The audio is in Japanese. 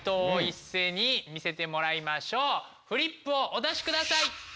フリップをお出しください！